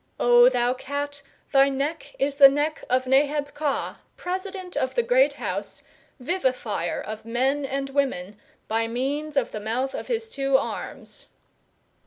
O thou Cat, thy neck (nehebt) is the neck of Neheb ka, President of the Great House, vivifier of men and women by means of the mouth of his two arms.